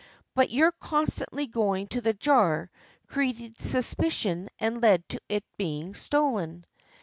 But your constantly going to the jar created suspicion and led to its being stolen.